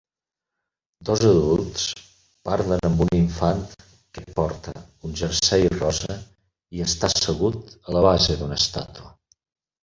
Dos adults parlen amb un infant que porta un jersei rosa i està assegut a la base d'una estàtua.